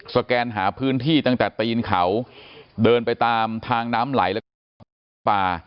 แกนหาพื้นที่ตั้งแต่ตีนเขาเดินไปตามทางน้ำไหลแล้วก็น้ำป่า